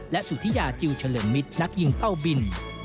และสุธิยาจิลเฉลิมมิตรนักยิงเป้าบิน